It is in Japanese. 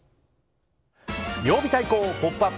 曜日対抗「ポップＵＰ！」